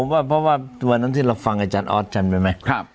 พอนะพอว่าวันนั้นที่เราฟังอาจารย์ออทรัลนะ